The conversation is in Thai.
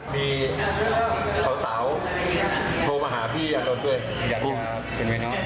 มีสาวโทรมาหาพี่อาจารย์เพื่อนอยากจะเป็นไม่น้อย